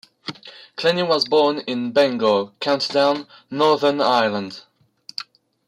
Clanny was born in Bangor, County Down, Northern Ireland.